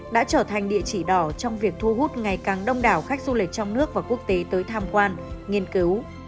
đã trở thành địa chỉ đỏ trong việc thu hút ngày càng đông đảo khách du lịch trong nước và quốc tế tới tham quan nghiên cứu